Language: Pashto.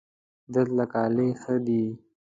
دلته کالي ښه دي